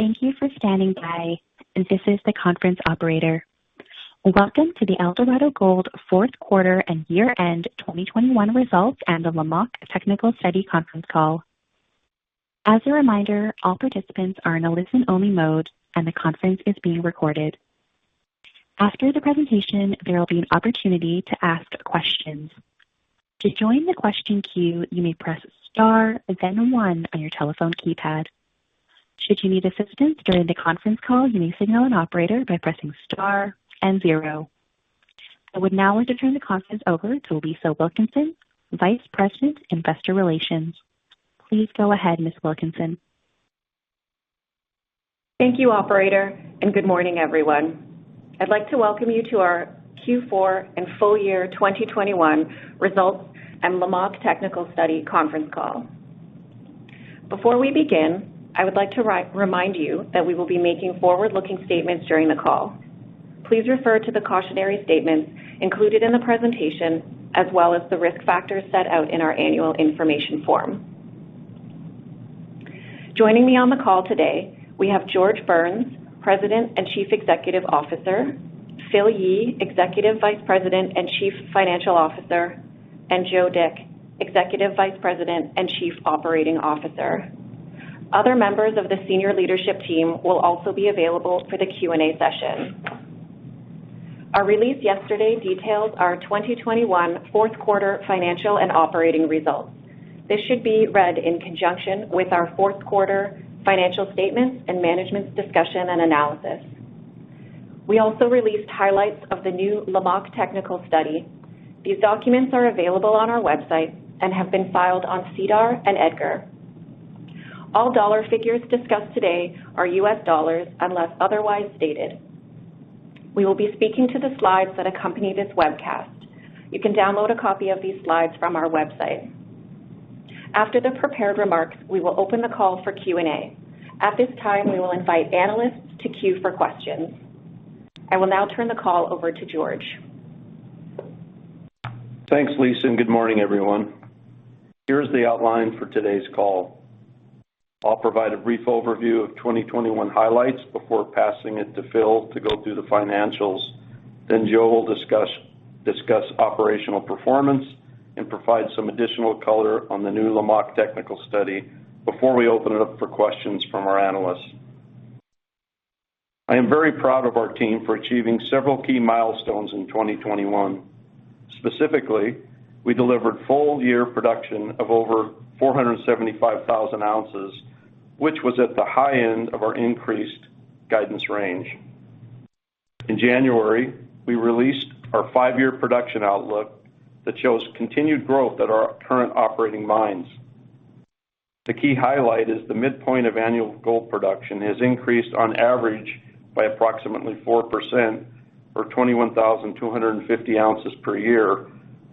Thank you for standing by. This is the conference operator. Welcome to the Eldorado Gold Fourth Quarter and Year-End 2021 Results and the Lamaque Technical Study Conference Call. As a reminder, all participants are in a listen-only mode, and the conference is being recorded. After the presentation, there will be an opportunity to ask questions. To join the question queue, you may press star then one on your telephone keypad. Should you need assistance during the conference call, you may signal an operator by pressing star and zero. I would now like to turn the conference over to Lisa Wilkinson, Vice President, Investor Relations. Please go ahead, Ms. Wilkinson. Thank you, operator, and good morning, everyone. I'd like to welcome you to our Q4 and full year 2021 results and Lamaque Technical Study conference call. Before we begin, I would like to remind you that we will be making forward-looking statements during the call. Please refer to the cautionary statements included in the presentation as well as the risk factors set out in our annual information form. Joining me on the call today, we have George Burns, President and Chief Executive Officer, Phil Yee, Executive Vice President and Chief Financial Officer, and Joe Dick, Executive Vice President and Chief Operating Officer. Other members of the senior leadership team will also be available for the Q&A session. Our release yesterday detailed our 2021 fourth quarter financial and operating results. This should be read in conjunction with our fourth quarter financial statements and management's discussion and analysis. We also released highlights of the new Lamaque technical study. These documents are available on our website and have been filed on SEDAR and EDGAR. All dollar figures discussed today are U.S. dollars unless otherwise stated. We will be speaking to the slides that accompany this webcast. You can download a copy of these slides from our website. After the prepared remarks, we will open the call for Q&A. At this time, we will invite analysts to queue for questions. I will now turn the call over to George. Thanks, Lisa, and good morning, everyone. Here's the outline for today's call. I'll provide a brief overview of 2021 highlights before passing it to Phil to go through the financials. Then Joe will discuss operational performance and provide some additional color on the new Lamaque technical study before we open it up for questions from our analysts. I am very proud of our team for achieving several key milestones in 2021. Specifically, we delivered full-year production of over 475,000 ounces, which was at the high end of our increased guidance range. In January, we released our five-year production outlook that shows continued growth at our current operating mines. The key highlight is the midpoint of annual gold production has increased on average by approximately 4% or 21,250 ounces per year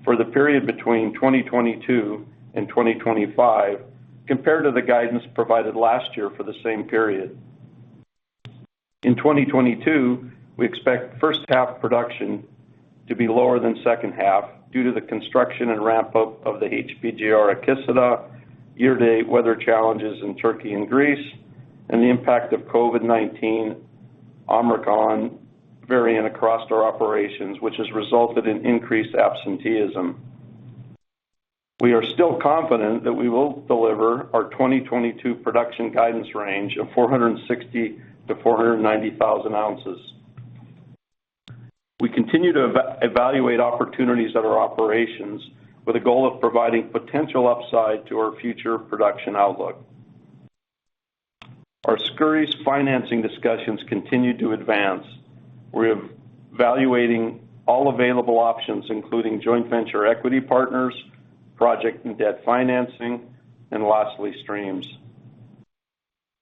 for the period between 2022 and 2025 compared to the guidance provided last year for the same period. In 2022, we expect first half production to be lower than second half due to the construction and ramp-up of the HPGR at Kisladag, year-to-date weather challenges in Turkey and Greece and the impact of COVID-19 Omicron variant across our operations, which has resulted in increased absenteeism. We are still confident that we will deliver our 2022 production guidance range of 460,000-490,000 ounces. We continue to evaluate opportunities at our operations with a goal of providing potential upside to our future production outlook. Our Skouries financing discussions continue to advance. We're evaluating all available options, including joint venture equity partners, project and debt financing, and lastly, streams.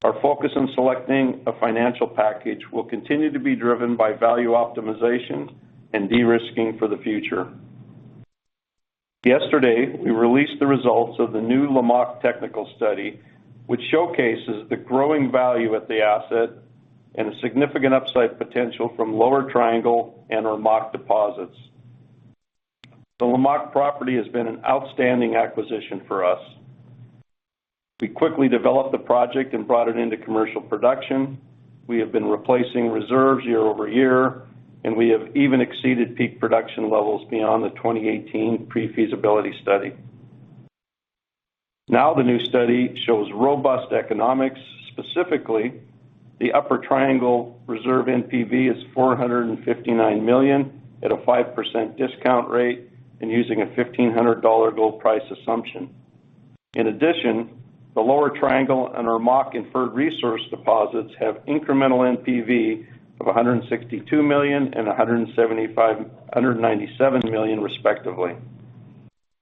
Our focus on selecting a financial package will continue to be driven by value optimization and de-risking for the future. Yesterday, we released the results of the new Lamaque technical study, which showcases the growing value at the asset and a significant upside potential from Lower Triangle and our Lamaque deposits. The Lamaque property has been an outstanding acquisition for us. We quickly developed the project and brought it into commercial production. We have been replacing reserves year-over-year, and we have even exceeded peak production levels beyond the 2018 pre-feasibility study. Now, the new study shows robust economics. Specifically, the Upper Triangle reserve NPV is $459 million at a 5% discount rate and using a $1,500 gold price assumption. In addition, the Lower Triangle and our Lamaque inferred resource deposits have incremental NPV of $162 million and $197 million, respectively.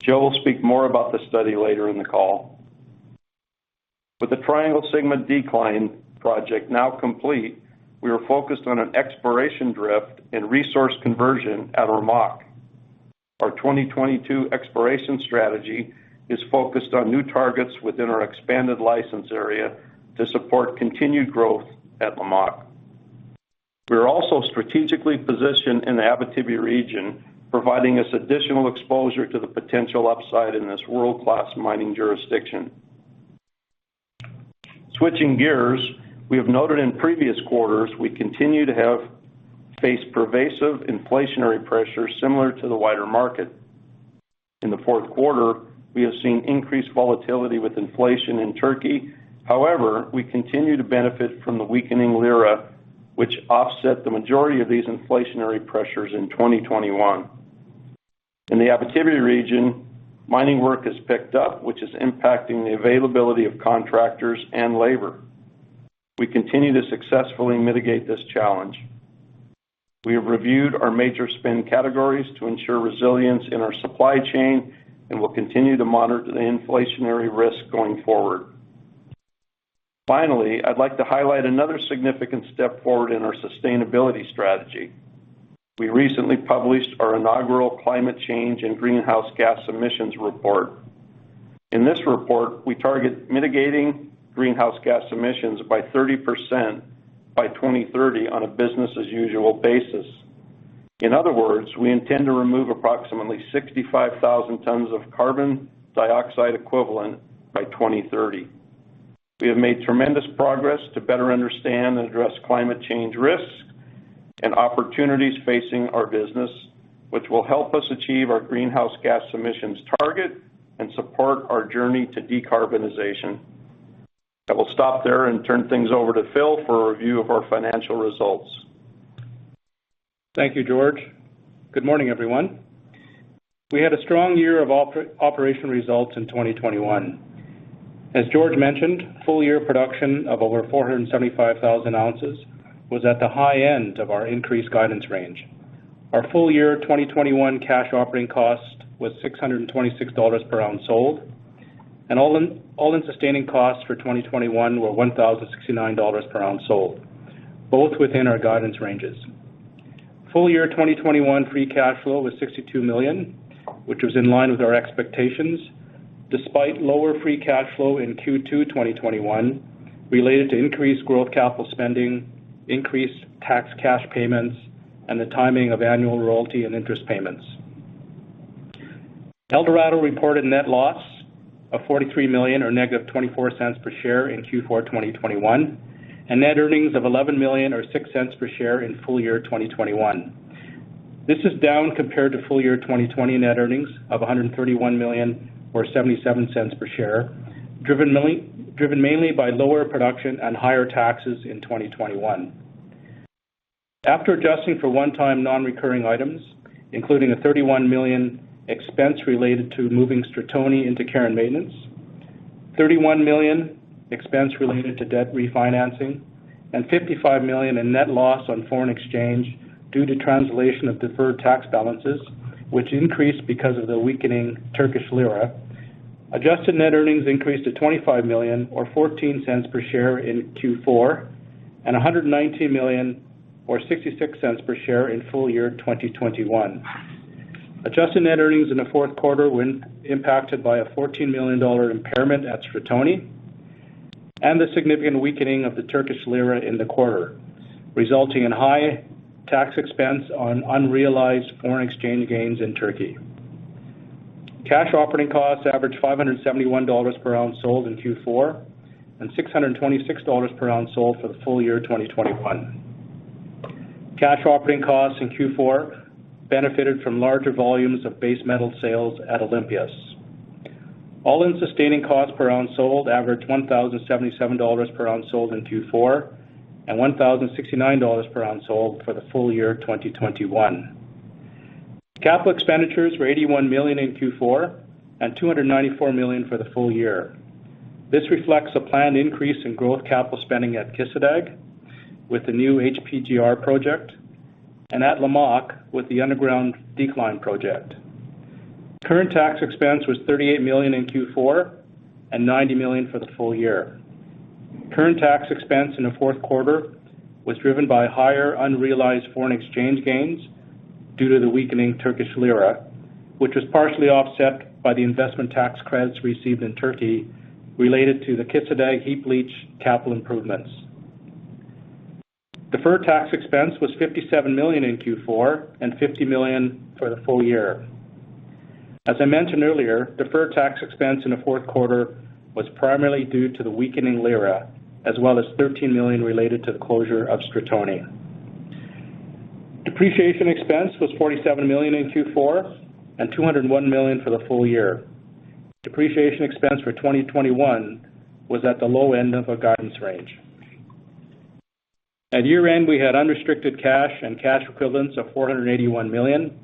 Joe will speak more about the study later in the call. With the Triangle Sigma Decline project now complete, we are focused on an exploration drift and resource conversion at Lamaque. Our 2022 exploration strategy is focused on new targets within our expanded license area to support continued growth at Lamaque. We are also strategically positioned in the Abitibi region, providing us additional exposure to the potential upside in this world-class mining jurisdiction. Switching gears, we have noted in previous quarters we continue to have faced pervasive inflationary pressures similar to the wider market. In the fourth quarter, we have seen increased volatility with inflation in Turkey. However, we continue to benefit from the weakening lira, which offset the majority of these inflationary pressures in 2021. In the Abitibi region, mining work has picked up, which is impacting the availability of contractors and labor. We continue to successfully mitigate this challenge. We have reviewed our major spend categories to ensure resilience in our supply chain, and we'll continue to monitor the inflationary risk going forward. Finally, I'd like to highlight another significant step forward in our sustainability strategy. We recently published our inaugural climate change and greenhouse gas emissions report. In this report, we target mitigating greenhouse gas emissions by 30% by 2030 on a business as usual basis. In other words, we intend to remove approximately 65,000 tons of carbon dioxide equivalent by 2030. We have made tremendous progress to better understand and address climate change risks and opportunities facing our business, which will help us achieve our greenhouse gas emissions target and support our journey to decarbonization. I will stop there and turn things over to Phil for a review of our financial results. Thank you, George. Good morning, everyone. We had a strong year of operation results in 2021. As George mentioned, full year production of over 475,000 ounces was at the high end of our increased guidance range. Our full year 2021 cash operating costs was $626 per ounce sold, and all-in sustaining costs for 2021 were $1,069 per ounce sold, both within our guidance ranges. Full year 2021 free cash flow was $62 million, which was in line with our expectations, despite lower free cash flow in Q2 2021 related to increased growth capital spending, increased tax cash payments, and the timing of annual royalty and interest payments. Eldorado reported net loss of $43 million or -$0.24 per share in Q4 2021, and net earnings of $11 million or $0.06 per share in full year 2021. This is down compared to full year 2020 net earnings of $131 million or $0.77 per share, driven mainly by lower production and higher taxes in 2021. After adjusting for one-time non-recurring items, including a $31 million expense related to moving Stratoni into care and maintenance, $31 million expense related to debt refinancing, and $55 million in net loss on foreign exchange due to translation of deferred tax balances, which increased because of the weakening Turkish lira, adjusted net earnings increased to $25 million or $0.14 per share in Q4, and $119 million or $0.66 per share in full year 2021. Adjusted net earnings in the fourth quarter were impacted by a $14 million impairment at Stratoni and the significant weakening of the Turkish lira in the quarter, resulting in high tax expense on unrealized foreign exchange gains in Turkey. Cash operating costs averaged $571 per ounce sold in Q4, and $626 per ounce sold for the full year 2021. Cash operating costs in Q4 benefited from larger volumes of base metal sales at Olympias. All-in sustaining cost per ounce sold averaged $1,077 per ounce sold in Q4, and $1,069 per ounce sold for the full year 2021. Capital expenditures were $81 million in Q4 and $294 million for the full year. This reflects a planned increase in growth capital spending at Kisladag with the new HPGR project and at Lamaque with the underground decline project. Current tax expense was $38 million in Q4 and $90 million for the full year. Current tax expense in the fourth quarter was driven by higher unrealized foreign exchange gains due to the weakening Turkish lira, which was partially offset by the investment tax credits received in Turkey related to the Kisladag heap leach capital improvements. Deferred tax expense was $57 million in Q4 and $50 million for the full year. As I mentioned earlier, deferred tax expense in the fourth quarter was primarily due to the weakening lira, as well as $13 million related to the closure of Stratoni. Depreciation expense was $47 million in Q4 and $201 million for the full year. Depreciation expense for 2021 was at the low end of our guidance range. At year-end, we had unrestricted cash and cash equivalents of $481 million.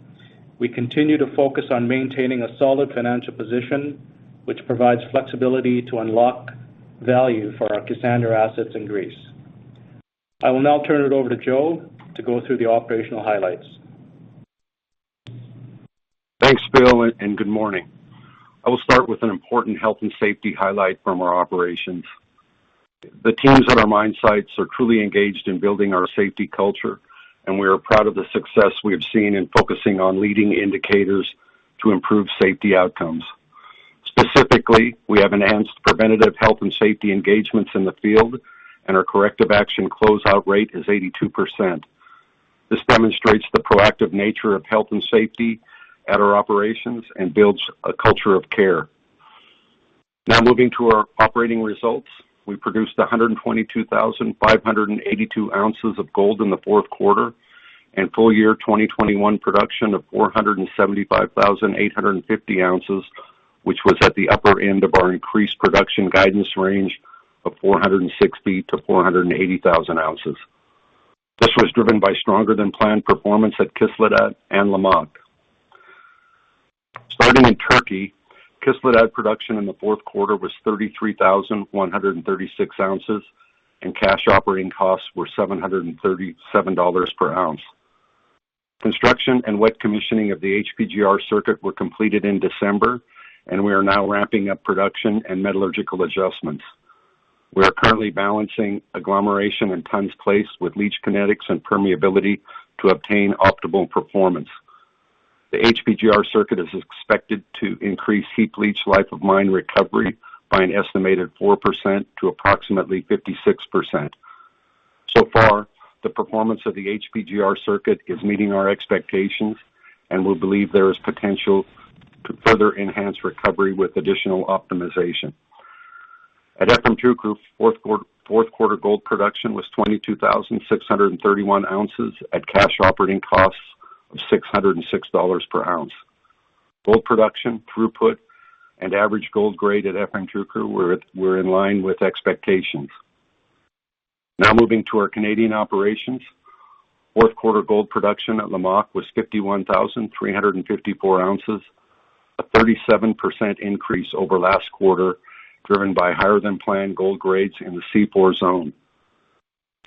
We continue to focus on maintaining a solid financial position, which provides flexibility to unlock value for our Kassandra assets in Greece. I will now turn it over to Joe to go through the operational highlights. Thanks, Phil, and good morning. I will start with an important health and safety highlight from our operations. The teams at our mine sites are truly engaged in building our safety culture, and we are proud of the success we have seen in focusing on leading indicators to improve safety outcomes. Typically, we have enhanced preventative health and safety engagements in the field, and our corrective action closeout rate is 82%. This demonstrates the proactive nature of health and safety at our operations and builds a culture of care. Now moving to our operating results. We produced 122,582 ounces of gold in the fourth quarter and full year 2021 production of 475,850 ounces, which was at the upper end of our increased production guidance range of 460,000-480,000 ounces. This was driven by stronger than planned performance at Kisladag and Lamaque. Starting in Turkey, Kisladag production in the fourth quarter was 33,136 ounces, and cash operating costs were $737 per ounce. Construction and wet commissioning of the HPGR circuit were completed in December, and we are now ramping up production and metallurgical adjustments. We are currently balancing agglomeration and tons placed with leach kinetics and permeability to obtain optimal performance. The HPGR circuit is expected to increase heap leach life of mine recovery by an estimated 4% to approximately 56%. So far, the performance of the HPGR circuit is meeting our expectations, and we believe there is potential to further enhance recovery with additional optimization. At Efemcukuru, fourth quarter gold production was 22,631 ounces at cash operating costs of $606 per ounce. Gold production throughput and average gold grade at Efemcukuru were in line with expectations. Now moving to our Canadian operations. Fourth quarter gold production at Lamaque was 51,354 ounces, a 37% increase over last quarter, driven by higher than planned gold grades in the C4 zone.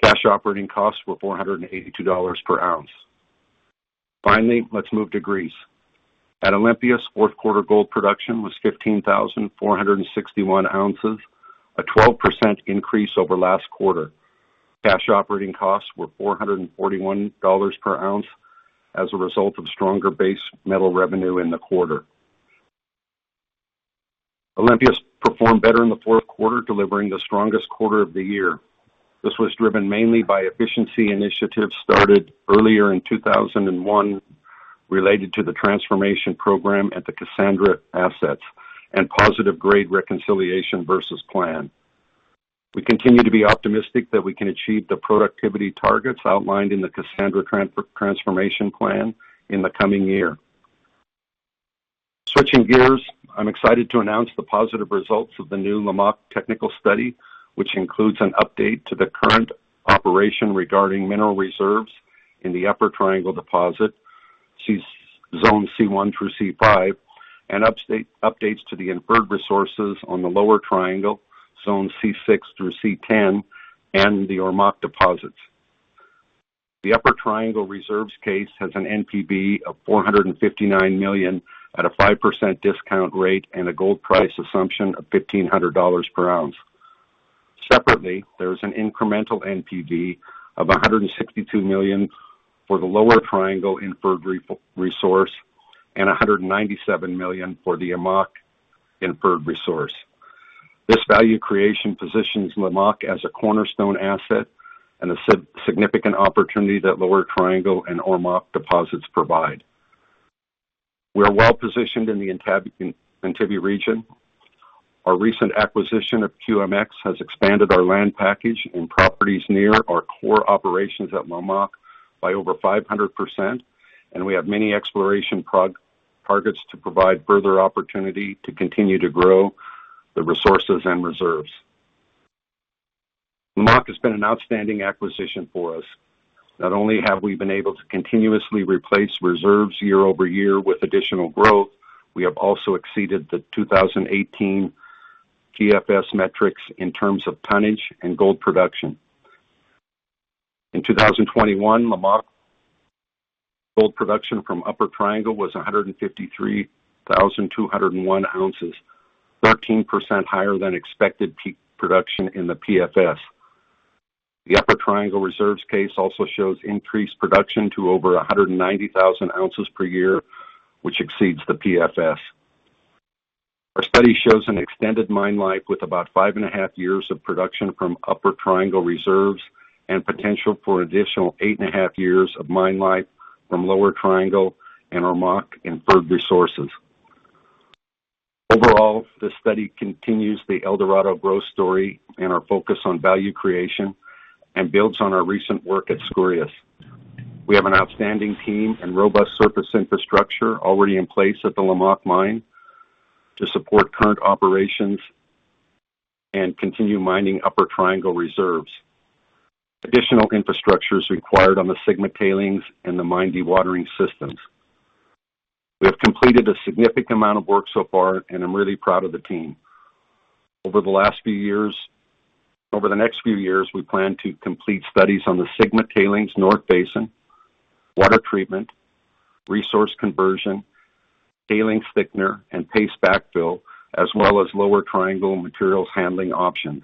Cash operating costs were $482 per ounce. Finally, let's move to Greece. At Olympias, fourth quarter gold production was 15,461 ounces, a 12% increase over last quarter. Cash operating costs were $441 per ounce as a result of stronger base metal revenue in the quarter. Olympias performed better in the fourth quarter, delivering the strongest quarter of the year. This was driven mainly by efficiency initiatives started earlier in 2001 related to the transformation program at the Kassandra assets and positive grade reconciliation versus plan. We continue to be optimistic that we can achieve the productivity targets outlined in the Kassandra transformation plan in the coming year. Switching gears, I'm excited to announce the positive results of the new Lamaque technical study, which includes an update to the current operation regarding mineral reserves in the Upper Triangle deposit, Zone C1 through C5, and updates to the inferred resources on the Lower Triangle, Zone C6 through C10, and the Ormaque deposits. The Upper Triangle reserves case has an NPV of $459 million at a 5% discount rate and a gold price assumption of $1,500 per ounce. Separately, there is an incremental NPV of $162 million for the Lower Triangle inferred resource and $197 million for the Ormaque inferred resource. This value creation positions Lamaque as a cornerstone asset and a significant opportunity that Lower Triangle and Ormaque deposits provide. We're well positioned in the Abitibi region. Our recent acquisition of QMX has expanded our land package and properties near our core operations at Lamaque by over 500%, and we have many exploration targets to provide further opportunity to continue to grow the resources and reserves. Lamaque has been an outstanding acquisition for us. Not only have we been able to continuously replace reserves year over year with additional growth, we have also exceeded the 2018 PFS metrics in terms of tonnage and gold production. In 2021, Lamaque gold production from Upper Triangle was 153,201 ounces, 13% higher than expected production in the PFS. The Upper Triangle reserves case also shows increased production to over 190,000 ounces per year, which exceeds the PFS. Our study shows an extended mine life with about 5.5 years of production from Upper Triangle reserves and potential for additional 8.5 years of mine life from Lower Triangle and Ormaque inferred resources. Overall, this study continues the Eldorado growth story and our focus on value creation and builds on our recent work at Skouries. We have an outstanding team and robust surface infrastructure already in place at the Lamaque mine to support current operations and continue mining Upper Triangle reserves. Additional infrastructure is required on the Sigma tailings and the mine dewatering systems. We have completed a significant amount of work so far, and I'm really proud of the team. Over the last few years. Over the next few years, we plan to complete studies on the Sigma tailings north basin, water treatment, resource conversion, tailings thickener, and paste backfill, as well as Lower Triangle materials handling options.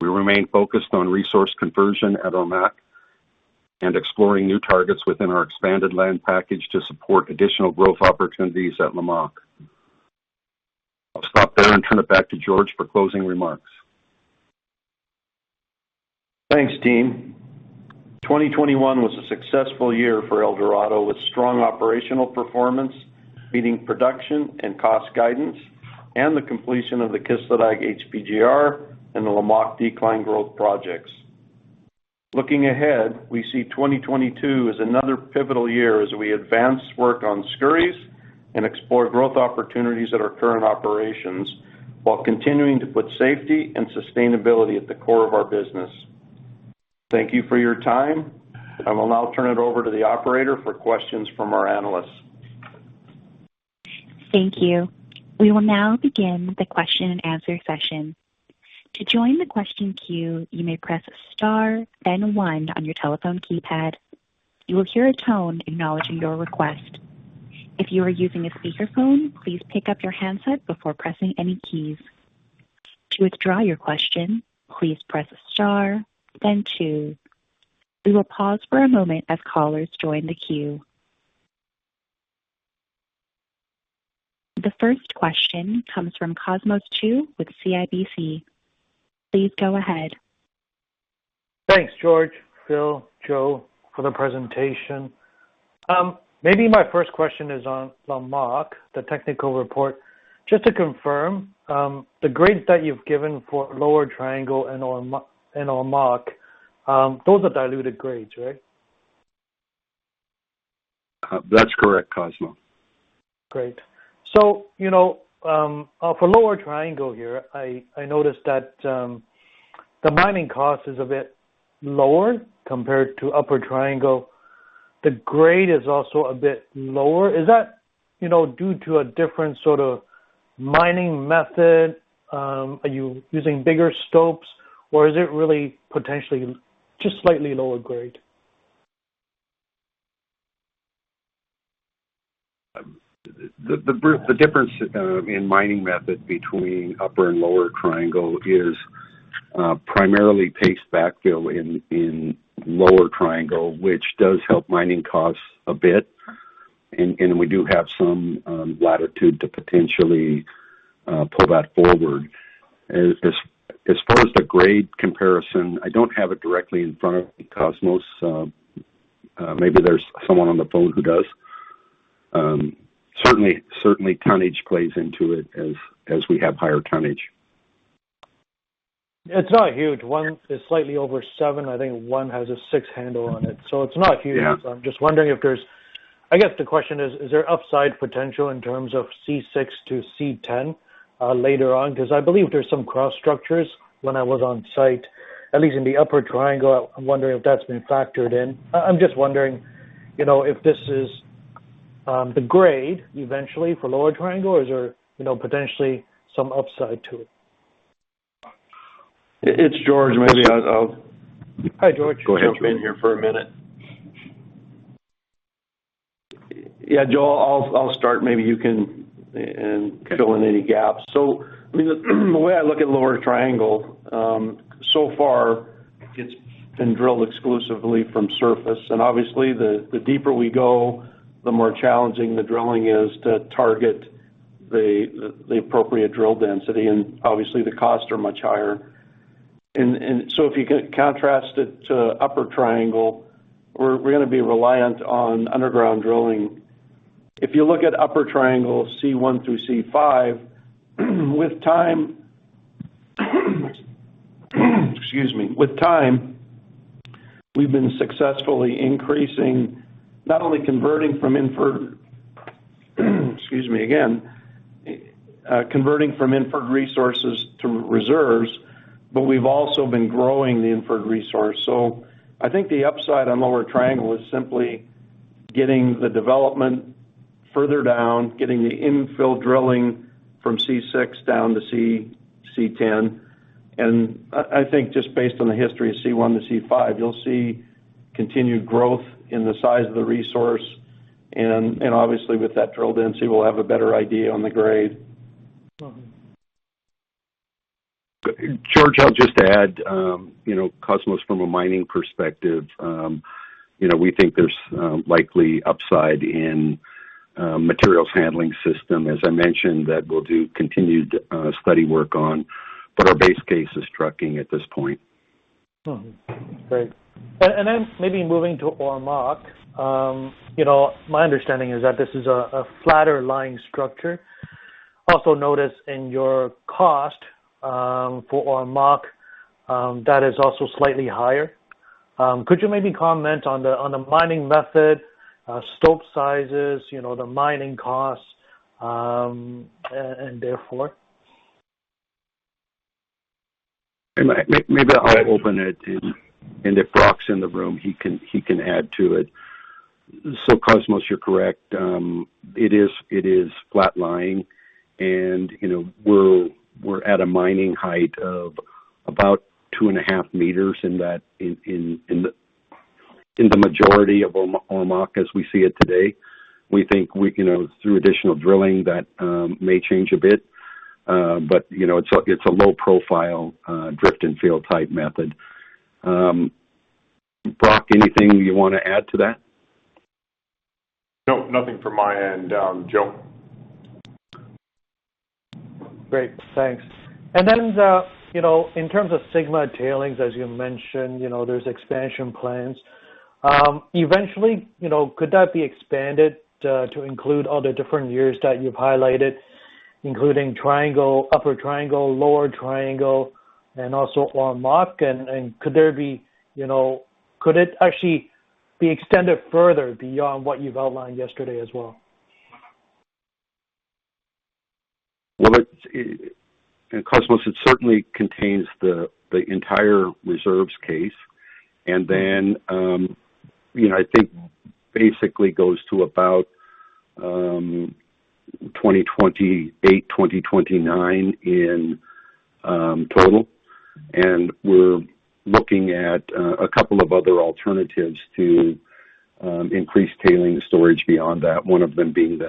We remain focused on resource conversion at Lamaque and exploring new targets within our expanded land package to support additional growth opportunities at Lamaque. I'll stop there and turn it back to George for closing remarks. Thanks, team. 2021 was a successful year for Eldorado, with strong operational performance, beating production and cost guidance, and the completion of the Kisladag HPGR and the Lamaque decline growth projects. Looking ahead, we see 2022 as another pivotal year as we advance work on Skouries and explore growth opportunities at our current operations while continuing to put safety and sustainability at the core of our business. Thank you for your time. I will now turn it over to the operator for questions from our analysts. Thank you. We will now begin the question and answer session. To join the question queue, you may press star then one on your telephone keypad. You will hear a tone acknowledging your request. If you are using a speakerphone, please pick up your handset before pressing any keys. To withdraw your question, please press star then two. We will pause for a moment as callers join the queue. The first question comes from Cosmos Chiu with CIBC. Please go ahead. Thanks, George, Phil, Joe, for the presentation. Maybe my first question is on Lamaque, the technical report. Just to confirm, the grades that you've given for Lower Triangle and on Lamaque, those are diluted grades, right? That's correct, Cosmos. Great. You know, for Lower Triangle here, I noticed that the mining cost is a bit lower compared to Upper Triangle. The grade is also a bit lower. Is that, you know, due to a different sort of mining method? Are you using bigger stopes, or is it really potentially just slightly lower grade? The difference in mining method between upper and lower triangle is primarily paste backfill in Lower Triangle, which does help mining costs a bit. We do have some latitude to potentially pull that forward. As far as the grade comparison, I don't have it directly in front of me, Cosmos. Maybe there's someone on the phone who does. Certainly tonnage plays into it as we have higher tonnage. It's not huge. One is slightly over seven. I think one has a six handle on it, so it's not huge. Yeah. I'm just wondering if there's. I guess the question is: Is there upside potential in terms of C6 to C10 later on? Because I believe there's some cross structures when I was on site, at least in the Upper Triangle. I'm wondering if that's been factored in. I'm just wondering, you know, if this is the grade eventually for Lower Triangle or is there, you know, potentially some upside to it? It's George. Hi, George. Go ahead, George. Jump in here for a minute. Yeah, Joe, I'll start. Maybe you can fill in any gaps. I mean, the way I look at Lower Triangle, so far it's been drilled exclusively from surface. Obviously, the deeper we go, the more challenging the drilling is to target the appropriate drill density, and obviously, the costs are much higher. If you contrast it to Upper Triangle, we're gonna be reliant on underground drilling. If you look at Upper Triangle C1 through C5, with time, we've been successfully increasing, not only converting from inferred resources to reserves, but we've also been growing the inferred resource. I think the upside on Lower Triangle is simply getting the development further down, getting the infill drilling from C6 down to C, C10. I think just based on the history of C1 to C5, you'll see continued growth in the size of the resource, and obviously with that drill density, we'll have a better idea on the grade. Mm-hmm. George, I'll just add, you know, Cosmos, from a mining perspective, you know, we think there's likely upside in materials handling system, as I mentioned, that we'll do continued study work on, but our base case is trucking at this point. Maybe moving to Lamaque. You know, my understanding is that this is a flatter lying structure. Also notice in your costs for Lamaque that is also slightly higher. Could you maybe comment on the mining method, stope sizes, you know, the mining costs, and therefore? Maybe I'll open it and if Brock's in the room, he can add to it. Cosmos, you're correct. It is flat lying and, you know, we're at a mining height of about two and a half meters in that, in the majority of Lamaque as we see it today. We think, you know, through additional drilling that may change a bit. You know, it's a low profile drift and field type method. Brock, anything you wanna add to that? No, nothing from my end. Joe. Great. Thanks. Then, you know, in terms of Sigma tailings, as you mentioned, you know, there's expansion plans. Eventually, you know, could that be expanded to include all the different years that you've highlighted, including Triangle, Upper Triangle, Lower Triangle, and also Lamaque? Could there be, you know, could it actually be extended further beyond what you've outlined yesterday as well? Well, Cosmos, it certainly contains the entire reserves case. Then, you know, I think basically goes to about 2028, 2029 in total. We're looking at a couple of other alternatives to increase tailings storage beyond that, one of them being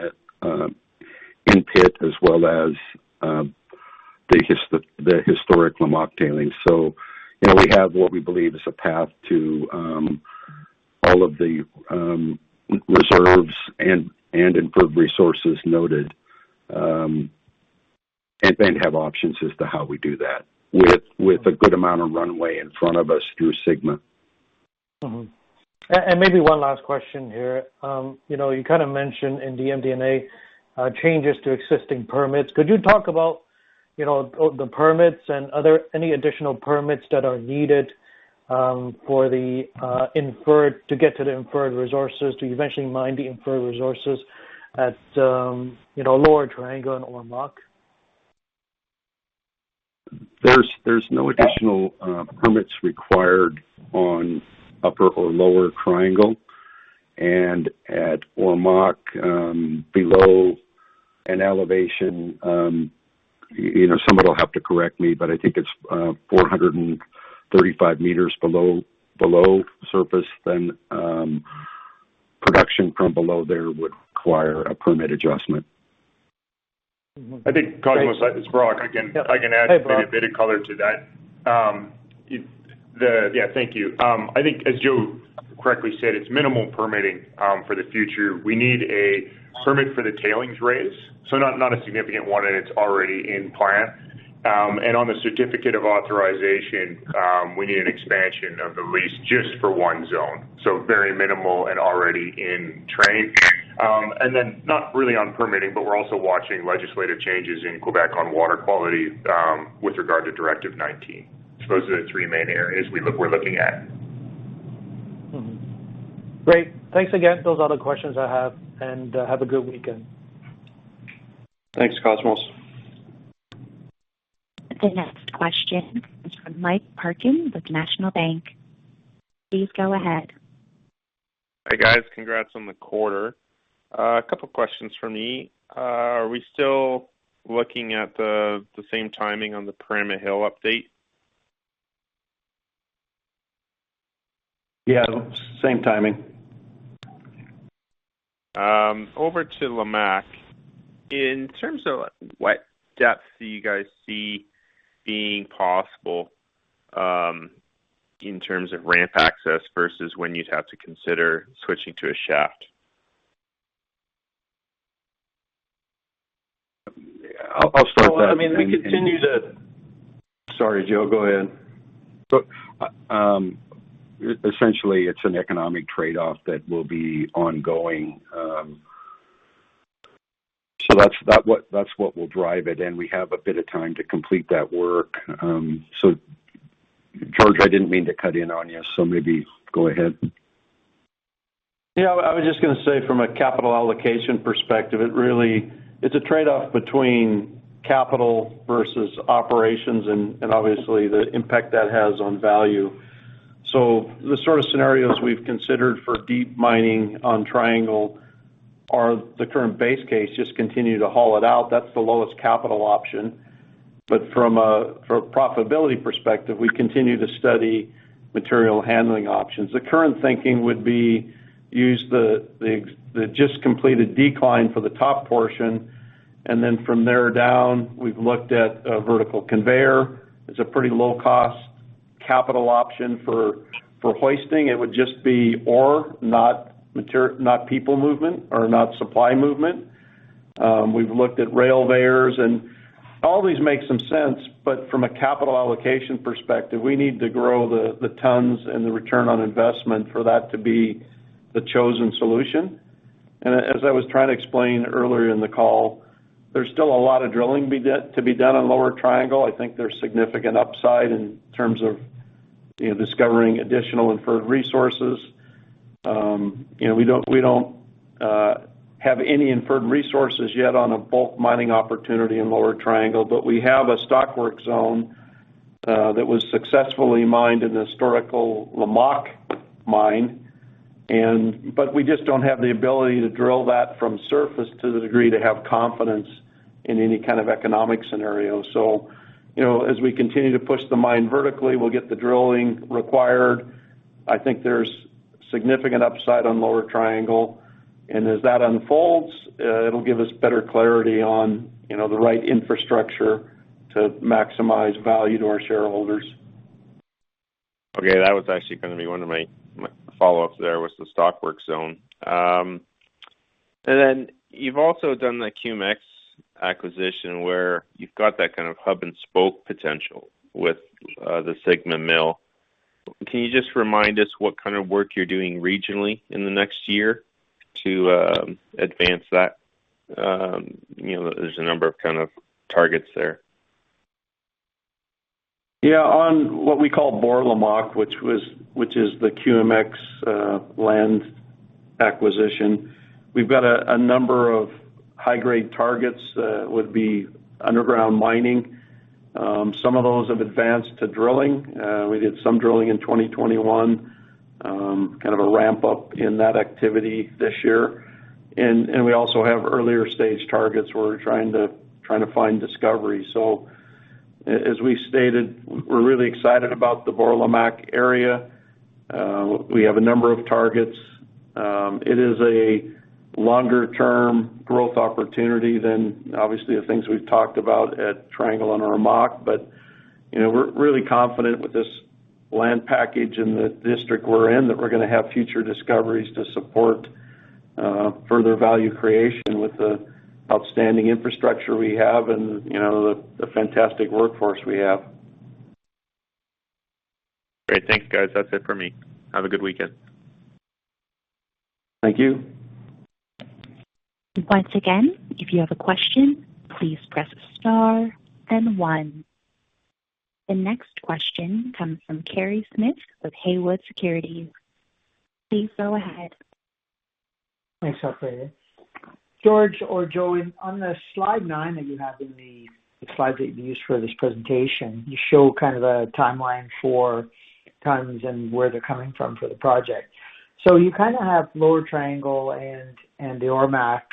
in pit as well as the historic Lamaque tailings. You know, we have what we believe is a path to all of the reserves and improved resources noted, and then have options as to how we do that with a good amount of runway in front of us through Sigma. Maybe one last question here. You know, you kinda mentioned in the MD&A changes to existing permits. Could you talk about, you know, the permits and any additional permits that are needed for the inferred to get to the inferred resources, to eventually mine the inferred resources at Lower Triangle and Lamaque? There's no additional permits required on Upper or Lower Triangle. At Lamaque, below an elevation, you know, someone will have to correct me, but I think it's 435 meters below surface, then production from below there would require a permit adjustment. I think, Cosmos, it's Brock. I can- Yeah. Hi, Brock. I can add maybe a bit of color to that. I think, as Joe correctly said, it's minimal permitting for the future. We need a permit for the tailings raise, so not a significant one, and it's already in plan. On the certificate of authorization, we need an expansion of the lease just for one zone, so very minimal and already in train. Not really on permitting, but we're also watching legislative changes in Quebec on water quality with regard to Directive 019. Those are the three main areas we're looking at. Great. Thanks again. Those are the questions I have, and have a good weekend. Thanks, Cosmos. The next question is from Mike Parkin with National Bank. Please go ahead. Hi, guys. Congrats on the quarter. A couple questions from me. Are we still looking at the same timing on the Perama Hill update? Yeah. Same timing. Over to Lamaque. In terms of what depth do you guys see being possible, in terms of ramp access versus when you'd have to consider switching to a shaft? I'll start that and Well, I mean, we continue to. Sorry, Joe, go ahead. Look, essentially, it's an economic trade-off that will be ongoing. That's what will drive it, and we have a bit of time to complete that work. George, I didn't mean to cut in on you, so maybe go ahead. Yeah. I was just gonna say from a capital allocation perspective, it really. It's a trade-off between capital versus operations and obviously, the impact that has on value. The sort of scenarios we've considered for deep mining on Triangle are the current base case, just continue to haul it out. That's the lowest capital option. From a profitability perspective, we continue to study material handling options. The current thinking would be use the just completed decline for the top portion, and then from there down, we've looked at a vertical conveyor. It's a pretty low cost, capital option for hoisting. It would just be ore, not people movement or not supply movement. We've looked at Railveyor, and all these make some sense, but from a capital allocation perspective, we need to grow the tons and the return on investment for that to be the chosen solution. As I was trying to explain earlier in the call, there's still a lot of drilling to be done on Lower Triangle. I think there's significant upside in terms of, you know, discovering additional inferred resources. You know, we don't have any inferred resources yet on a bulk mining opportunity in Lower Triangle, but we have a stockwork zone that was successfully mined in the historical Lamaque mine. We just don't have the ability to drill that from surface to the degree to have confidence in any kind of economic scenario. You know, as we continue to push the mine vertically, we'll get the drilling required. I think there's significant upside on Lower Triangle. As that unfolds, it'll give us better clarity on, you know, the right infrastructure to maximize value to our shareholders. Okay. That was actually gonna be one of my follow-ups there, was the Stockwork zone. You've also done the QMX acquisition, where you've got that kind of hub and spoke potential with the Sigma Mill. Can you just remind us what kind of work you're doing regionally in the next year to advance that? You know, there's a number of kind of targets there. Yeah. On what we call Bourlamaque, which is the QMX land acquisition, we've got a number of high-grade targets would be underground mining. Some of those have advanced to drilling. We did some drilling in 2021. Kind of a ramp-up in that activity this year. We also have earlier stage targets where we're trying to find discovery. As we stated, we're really excited about the Bourlamaque area. We have a number of targets. It is a longer term growth opportunity than obviously the things we've talked about at Triangle and Lamaque. You know, we're really confident with this land package and the district we're in, that we're gonna have future discoveries to support further value creation with the outstanding infrastructure we have and, you know, the fantastic workforce we have. Great. Thank you, guys. That's it for me. Have a good weekend. Thank you. Once again, if you have a question, please press star then one. The next question comes from Kerry Smith with Haywood Securities. Please go ahead. Thanks, operator. George or Joe, on the slide nine that you have in the slides that you used for this presentation, you show kind of a timeline for tons and where they're coming from for the project. You kinda have Lower Triangle and the Ormaque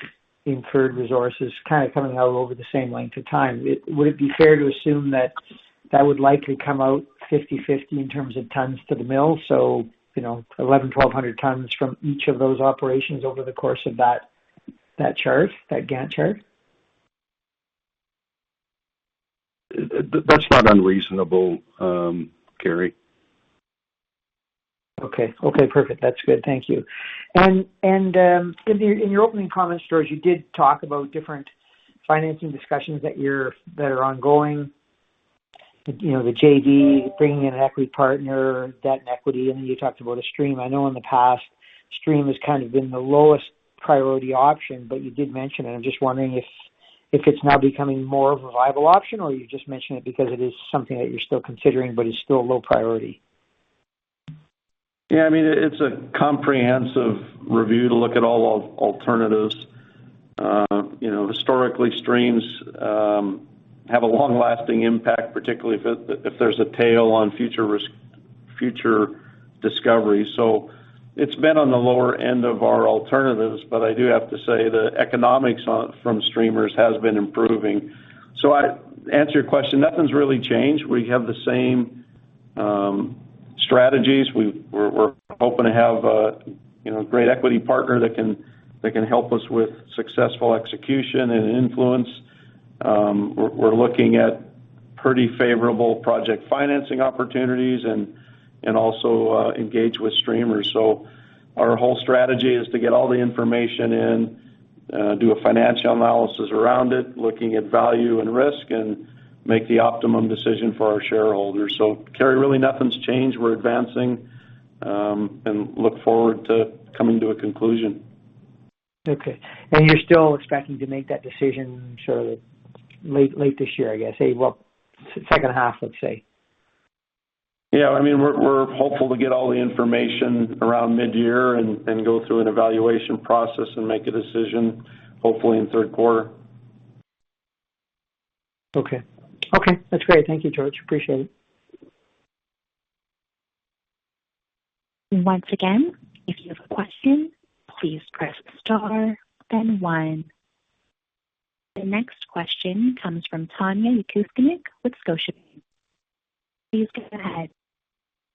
inferred resources kinda coming out over the same length of time. Would it be fair to assume that that would likely come out 50/50 in terms of tons to the mill, so, you know, 1,100-1,200 tons from each of those operations over the course of that chart, that Gantt chart? That's not unreasonable, Kerry. Okay. Okay, perfect. That's good. Thank you. In your opening comments, George, you did talk about different financing discussions that are ongoing. You know, the JV, bringing in an equity partner, debt and equity, and then you talked about a stream. I know in the past, stream has kind of been the lowest priority option, but you did mention it. I'm just wondering if it's now becoming more of a viable option, or you just mentioned it because it is something that you're still considering but is still low priority. Yeah. I mean, it's a comprehensive review to look at all alternatives. You know, historically, streams have a long-lasting impact, particularly if there's a tail on future discovery. It's been on the lower end of our alternatives, but I do have to say the economics from streamers has been improving. To answer your question, nothing's really changed. We have the same strategies. We're hoping to have a great equity partner that can help us with successful execution and influence. We're looking at pretty favorable project financing opportunities and also engage with streamers. Our whole strategy is to get all the information in, do a financial analysis around it, looking at value and risk, and make the optimum decision for our shareholders. Kerry, really nothing's changed. We're advancing and look forward to coming to a conclusion. Okay. You're still expecting to make that decision sort of late this year, I guess. Ah, well, second half, let's say. Yeah. I mean, we're hopeful to get all the information around mid-year and go through an evaluation process and make a decision, hopefully in third quarter. Okay. Okay, that's great. Thank you, George. Appreciate it. Once again, if you have a question, please press star then one. The next question comes from Tanya Jakusconek with Scotiabank. Please go ahead.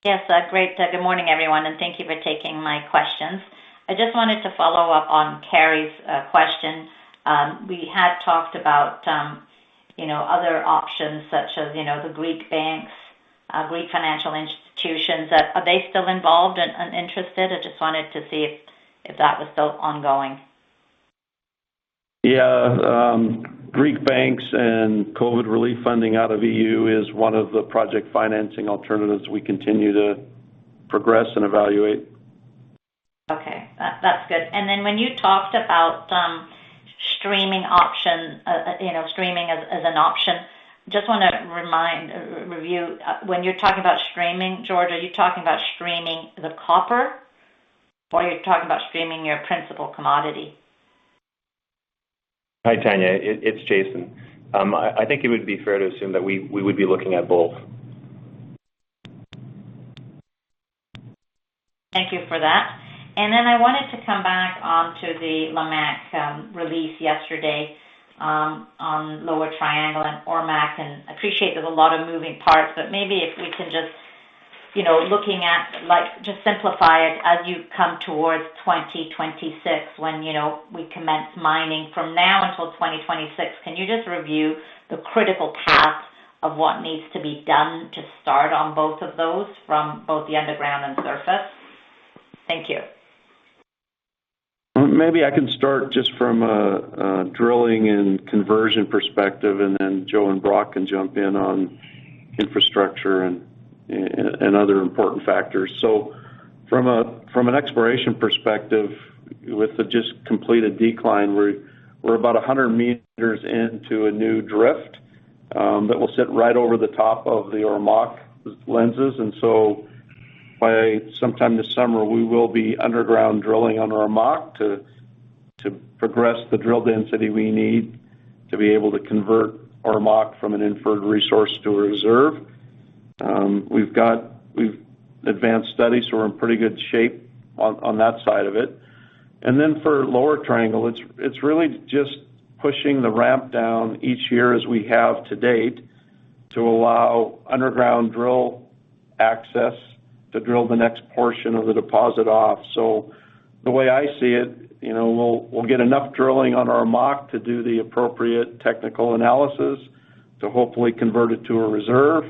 Yes. Great. Good morning, everyone, and thank you for taking my questions. I just wanted to follow up on Kerry's question. We had talked about, you know, other options such as, you know, the Greek banks, Greek financial institutions. Are they still involved and interested? I just wanted to see if that was still ongoing. Yeah. Greek banks and COVID relief funding out of EU is one of the project financing alternatives we continue to progress and evaluate. Okay. That's good. When you talked about streaming option, streaming as an option, just wanna review. When you're talking about streaming, George, are you talking about streaming the copper or you're talking about streaming your principal commodity? Hi, Tanya. It's Jason. I think it would be fair to assume that we would be looking at both. Thank you for that. I wanted to come back onto the Lamaque release yesterday on Lower Triangle and Ormaque, and appreciate there's a lot of moving parts, but maybe if we can just, you know, looking at, like, just simplify it as you come towards 2026 when, you know, we commence mining from now until 2026. Can you just review the critical paths of what needs to be done to start on both of those from both the underground and surface? Thank you. Maybe I can start just from a drilling and conversion perspective, and then Joe and Brock can jump in on infrastructure and other important factors. From an exploration perspective, with the just completed decline, we're about 100 meters into a new drift that will sit right over the top of the Ormaque lenses. By sometime this summer, we will be underground drilling on Ormaque to progress the drill density we need to be able to convert Ormaque from an inferred resource to a reserve. We've advanced studies, so we're in pretty good shape on that side of it. Then for Lower Triangle, it's really just pushing the ramp down each year as we have to date to allow underground drill access to drill the next portion of the deposit off. The way I see it, you know, we'll get enough drilling on Ormaque to do the appropriate technical analysis to hopefully convert it to a reserve.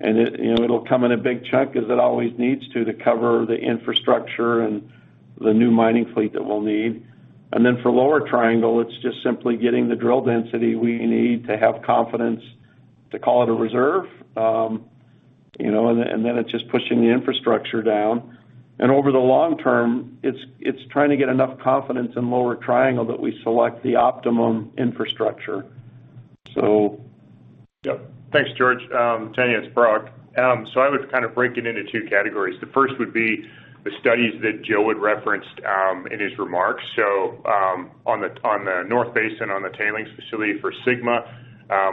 It, you know, it'll come in a big chunk as it always needs to cover the infrastructure and the new mining fleet that we'll need. Then for Lower Triangle, it's just simply getting the drill density we need to have confidence to call it a reserve, you know, and then it's just pushing the infrastructure down. Over the long term, it's trying to get enough confidence in Lower Triangle that we select the optimum infrastructure. Yeah. Thanks, George. Tanya, it's Brock. I would kind of break it into two categories. The first would be the studies that Joe had referenced in his remarks. On the north basin, on the tailings facility for Sigma,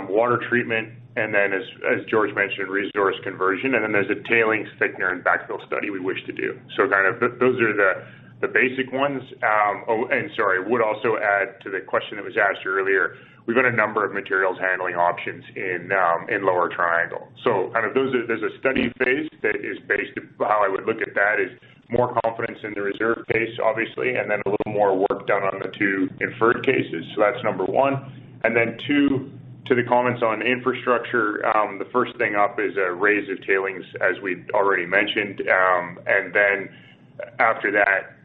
water treatment, and then as George mentioned, resource conversion. There's a tailings thickener and backfill study we wish to do. Kind of those are the basic ones. Sorry, would also add to the question that was asked earlier. We've got a number of materials handling options in Lower Triangle. Kind of those are. There's a study phase that is based. How I would look at that is more confidence in the reserve case, obviously, and then a little more work done on the two inferred cases. That's number one. Two, to the comments on infrastructure, the first thing up is a raise of tailings, as we've already mentioned. After that,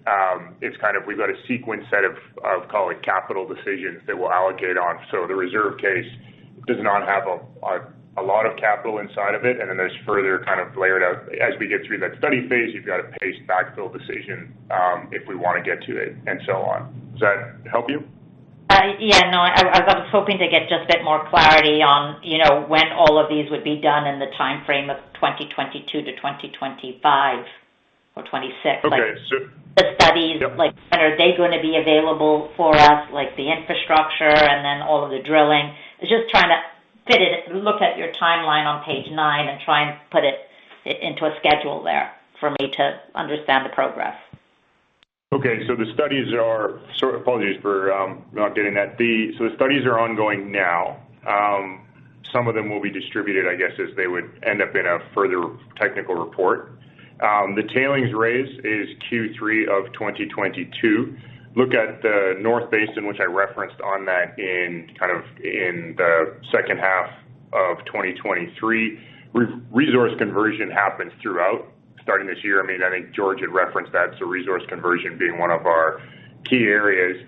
it's kind of we've got a sequenced set of, I'll call it capital decisions that we'll allocate on. The reserve case does not have a lot of capital inside of it. There's further kind of layered out. As we get through that study phase, you've got a paced backfill decision, if we wanna get to it, and so on. Does that help you? Yeah, no. I was hoping to get just a bit more clarity on, you know, when all of these would be done in the timeframe of 2022 to 2025 or 2026. Okay. The studies, like, when are they gonna be available for us, like the infrastructure and then all of the drilling? I was just trying to fit it, look at your timeline on page nine and try and put it into a schedule there for me to understand the progress. Apologies for not getting that. The studies are ongoing now. Some of them will be distributed, I guess, as they would end up in a further technical report. The tailings raise is Q3 of 2022. Look at the North Basin, which I referenced on that in kind of the second half of 2023. Resource conversion happens throughout, starting this year. I mean, I think George had referenced that, so resource conversion being one of our key areas.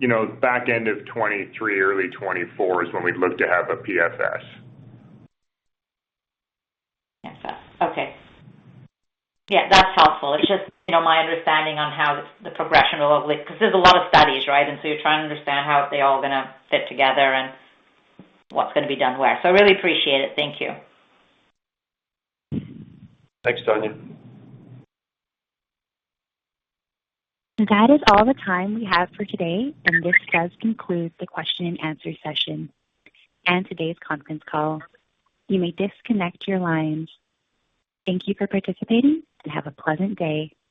You know, back end of 2023, early 2024 is when we'd look to have a PFS. PFS. Okay. Yeah, that's helpful. It's just, you know, my understanding on how the progression will look, because there's a lot of studies, right? You're trying to understand how they're all gonna fit together and what's gonna be done where. So I really appreciate it. Thank you. Thanks, Tanya. That is all the time we have for today, and this does conclude the question and answer session and today's conference call. You may disconnect your lines. Thank you for participating, and have a pleasant day.